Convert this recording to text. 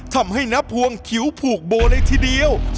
ทำให้น้าพวงคิวผูกโบเลยทีเดียว